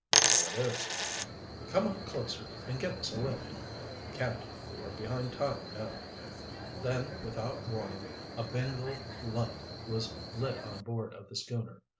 "So it is." "Come up closer and give us a lift." "Can't, we are behind time now." Then, without warning, a Bengal light was lit on board of the schooner.